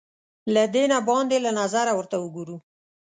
له دینه باندې له نظره ورته وګورو